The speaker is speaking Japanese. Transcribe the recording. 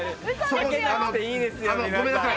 はけなくていいですよ、皆さん。